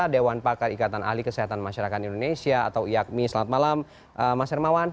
dewan pakar ikatan ahli kesehatan masyarakat indonesia atau iakmi selamat malam mas hermawan